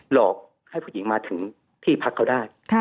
หลอกให้ผู้หญิงมาถึงที่พักเขาได้